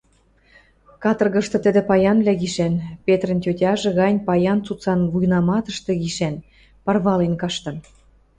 Каторгышты тӹдӹ паянвлӓ гишӓн, Петрӹн тьотяжы гань паян цуцан вуйнаматышты гишӓн, парвален каштын.